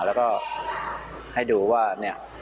แล้วก็ให้ดูว่าเนี่ย